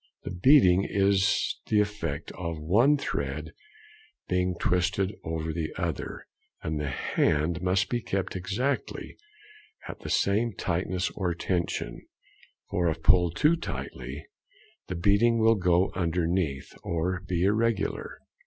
The beading is the effect of one thread being twisted over the other, and the hand must be kept exactly at the same tightness or tension, for if pulled too tightly the beading will go underneath, or be irregular.